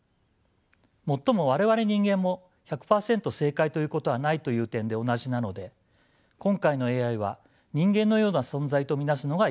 もっとも我々人間も１００％正解ということはないという点で同じなので今回のＡＩは人間のような存在と見なすのがいいかもしれません。